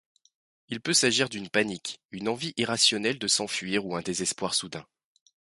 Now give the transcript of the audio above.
Il peut s'agir d'une panique, une envie irrationnelle de s’enfuir ou un désespoir soudain.